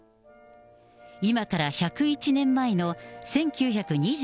今から１０１年前の１９２１年。